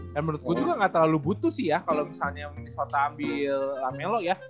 dan menurut gua juga gak terlalu butuh sih ya kalo misalnya ministerial ambil amelo ya